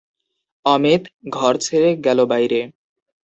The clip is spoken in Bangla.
অমিত ঘর ছেড়ে গেল বাইরে।